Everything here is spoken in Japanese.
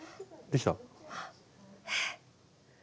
できた？